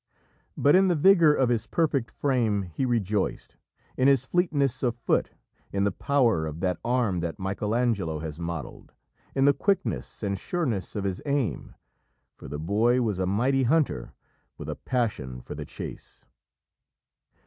But in the vigour of his perfect frame he rejoiced; in his fleetness of foot, in the power of that arm that Michael Angelo has modelled, in the quickness and sureness of his aim, for the boy was a mighty hunter with a passion for the chase.